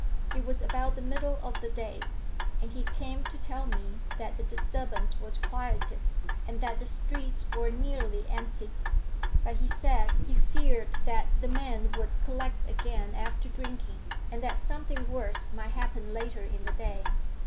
It was about the middle of the day, and he came to tell me that the disturbance was quieted, and that the streets were nearly emptied. But he said he feared that the men would collect again after drinking, and that something worse might happen later in the day.